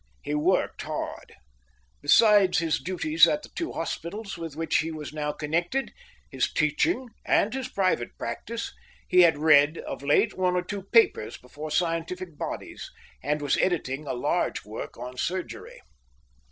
He worked hard. Besides his duties at the two hospitals with which he was now connected, his teaching, and his private practice, he had read of late one or two papers before scientific bodies, and was editing a large work on surgery.